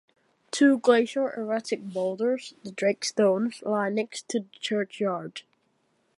Two glacial erratic boulders, the Drake Stones, lie next to the churchyard.